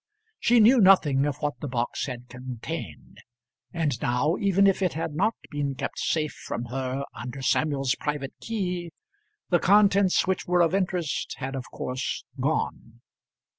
She knew nothing of what the box had contained; and now, even if it had not been kept safe from her under Samuel's private key, the contents which were of interest had of course gone.